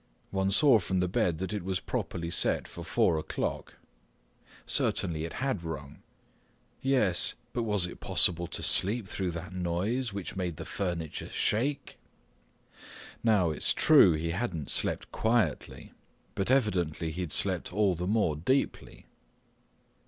One saw from the bed that it was properly set for four o'clock. Certainly it had rung. Yes, but was it possible to sleep through that noise which made the furniture shake? Now, it's true he'd not slept quietly, but evidently he'd slept all the more deeply.